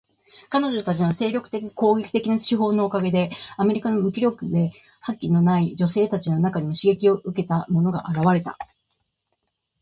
彼女たちの精力的で攻撃的な手法のおかげで、アメリカの無気力で覇気のない女性たちの中にも刺激を受けた者が現れた。